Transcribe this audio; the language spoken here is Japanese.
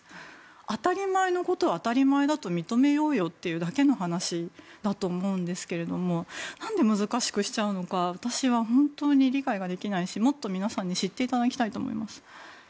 当たり前のことを当たり前だと認めようよという話だと思うんですけど何で難しくしちゃうのか私は本当に理解ができないしもっと皆さんに知っていただきたいと思います。